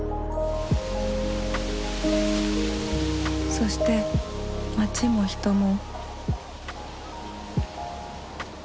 そして街も人も。